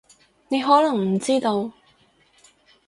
你可能唔知道